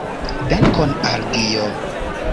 Dankon al Dio!